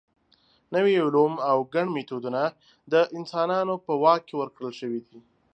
نوي علوم او ګڼ میتودونه د انسانانو په واک کې ورکړل شوي دي.